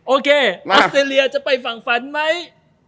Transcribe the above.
โอเคออสเตรเลียจะไปฝั่งฝันไหม